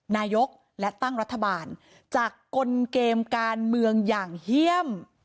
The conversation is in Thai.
นายกและตั้งรัฐบาลจากกลเกมการเมืองอย่างเยี่ยม